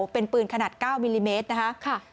เป็นปืนขนาด๙มิลลิเมตรนะคะ